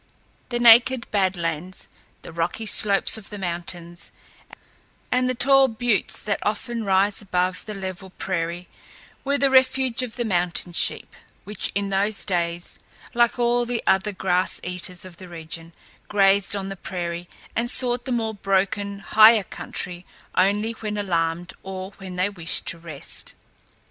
The naked Bad Lands, the rocky slopes of the mountains, and the tall buttes that often rise above the level prairie were the refuge of the mountain sheep, which in those days, like all the other grass eaters of the region, grazed on the prairie and sought the more broken, higher country only when alarmed or when they wished to rest.